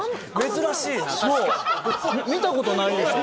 見たことないでしょ？